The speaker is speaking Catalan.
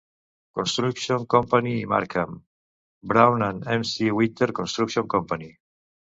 Construction Company i Markham, Brown and M. C. Winter Construction Company.